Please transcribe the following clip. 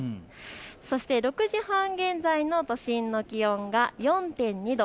そして６時半現在の都心の気温が４．２度。